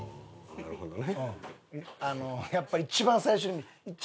なるほどね。